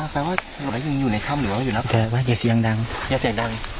อ๋อแปลว่าอยู่ในค่ำหรือว่าอยู่น้ำแปลว่าอย่าเสียงดังอย่าเสียงดัง